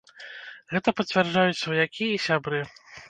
Гэта пацвярджаюць сваякі і сябры.